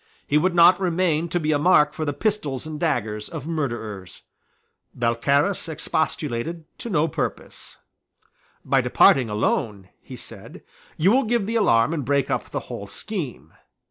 He would not remain to be a mark for the pistols and daggers of murderers. Balcarras expostulated to no purpose. "By departing alone," he said, "you will give the alarm and break up the whole scheme."